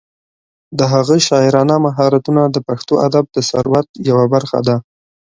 د هغه شاعرانه مهارتونه د پښتو ادب د ثروت یوه برخه ده.